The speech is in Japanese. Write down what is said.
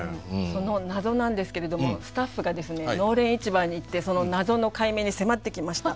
その謎なんですけれどもスタッフが農連市場に行ってその謎の解明に迫ってきました。